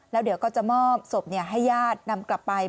แล้วเดี๋ยวก็จะมอบศพให้ญาตินำกลับไป